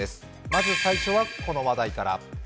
まず最初はこの話題から。